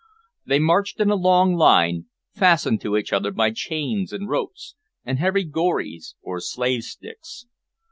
They marched in a long line, fastened to each other by chains and ropes and heavy "gorees" or slave sticks.